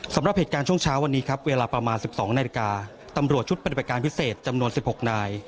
สำหรับเหตุการณ์ช่วงเช้าวันนี้ครับเวลาประมาณ๑๒นาฬิกาตำรวจชุดปฏิบัติการพิเศษจำนวน๑๖นาย